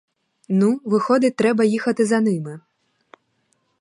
Ну, виходить, треба їхати, за ними.